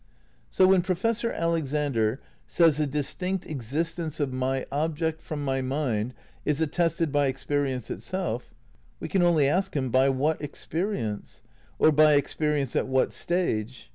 So when Professor Alexander says the distinct exist ence of my object from my mind is attested by experi ence itself, we can only ask him, by what experience? Or by experience at what stage?